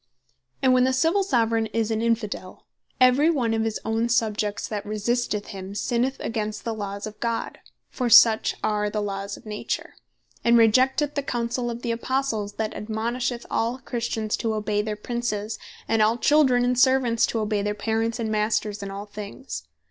Or Infidel And when the Civill Soveraign is an Infidel, every one of his own Subjects that resisteth him, sinneth against the Laws of God (for such as are the Laws of Nature,) and rejecteth the counsell of the Apostles, that admonisheth all Christians to obey their Princes, and all Children and Servants to obey they Parents, and Masters, in all things.